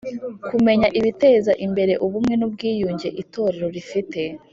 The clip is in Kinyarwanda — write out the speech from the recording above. Kumenya ibiteza imbere ubumwe n ubwiyunge Itorero rifite